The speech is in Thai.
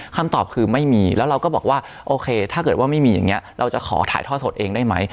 คำตอบคือไม่มีแล้วเราก็บอกว่าโอเคถ้าเกิดว่าไม่มีอย่างนี้เราจะขอถ่ายทอดสดเองได้ไหม